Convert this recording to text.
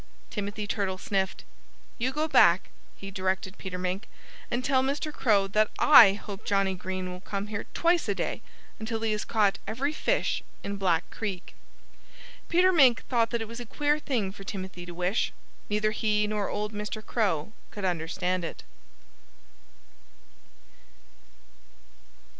Timothy Turtle sniffed. "You go back," he directed Peter Mink, "and tell Mr. Crow that I hope Johnnie Green will come here twice a day until he has caught every fish in Black Creek." Peter Mink thought that that was a queer thing for Timothy to wish. Neither he nor old Mr. Crow could understand it.